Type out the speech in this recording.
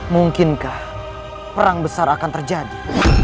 mungkinkah perang besar akan terjadi